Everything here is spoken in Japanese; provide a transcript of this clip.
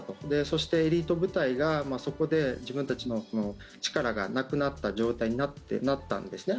そして、エリート部隊がそこで自分たちの力がなくなった状態になったんですね